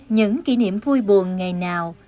những kỷ niệm vui buồn ngày nào